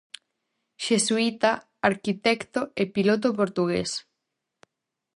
Xesuíta, arquitecto e piloto portugués.